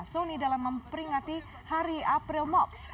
sony dalam memperingati hari april mop